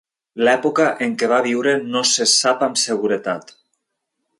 L'època en què va viure no se sap amb seguretat.